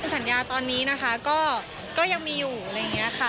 สัญญาตอนนี้นะคะก็ยังมีอยู่อะไรอย่างนี้ค่ะ